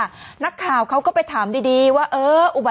ปรากฏว่าสิ่งที่เกิดขึ้นคลิปนี้ฮะ